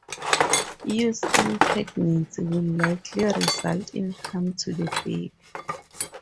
Use in pregnancy will likely result in harm to the baby.